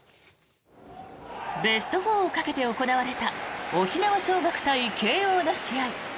ベスト４をかけて行われた沖縄尚学対慶応の試合。